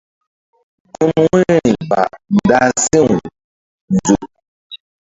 Gun wu̧yri ba ndah si̧w nzuk.